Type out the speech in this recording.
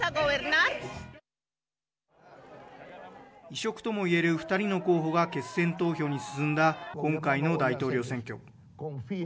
異色ともいえる２人の候補が決選投票に進んだ今回の大統領選挙。